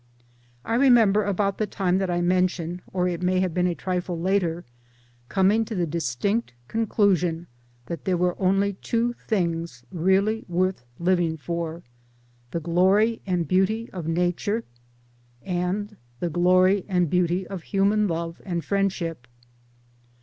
I remember about the time that I mention or it may have been a trifle later coming to the distinct conclusion that there were only two things really worth living for the glory and beauty of Nature, and the glory and beauty of human love and friend ship.